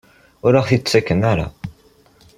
Ur aɣ-t-id-tettakem ara?